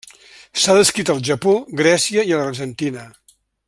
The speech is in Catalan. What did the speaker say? S'ha descrit al Japó, Grècia i a l'Argentina.